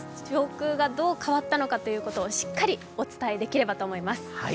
上空がどう変わったのかというのをしっかりお伝えできればと思います。